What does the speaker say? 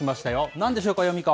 なんでしょうか、ヨミ子。